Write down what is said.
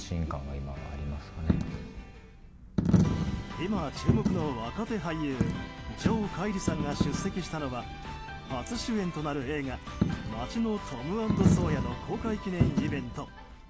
今、注目の若手俳優城桧吏さんが出席したのは初主演となる映画「都会のトム＆ソーヤ」の公開記念イベント。